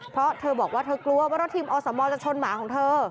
เพราะเธอบอกว่าเธอกลัวว่ารถทีมอสมจะชนหมาของเธอ